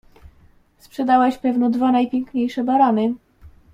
"Sprzedałeś pewno dwa najpiękniejsze barany?"